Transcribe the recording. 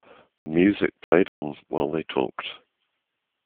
The music played on while they talked.